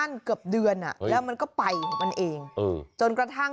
เดี๋ยวพ่อเดินหาเต่ากันทั้งวัน